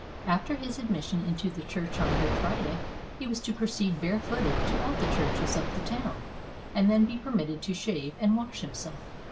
After his admission into the Church on Good Friday, he was to proceed barefooted to all the churches of the town, and then be permitted to shave and wash himself.